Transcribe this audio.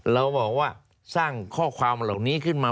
เราบอกว่าสร้างข้อความเหล่านี้ขึ้นมา